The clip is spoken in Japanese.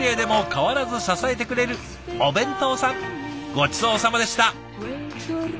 ごちそうさまでした！